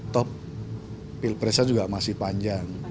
top pilpresnya juga masih panjang